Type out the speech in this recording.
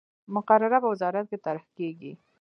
مقرره په وزارت کې طرح کیږي.